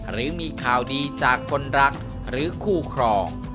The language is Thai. หรือมีข่าวดีจากคนรักหรือคู่ครอง